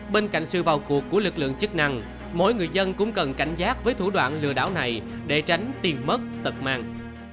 bên cạnh sự vào cuộc của lực lượng chức năng mỗi người dân cũng cần cảnh giác với thủ đoạn lừa đảo này để tránh tiền mất tật mạng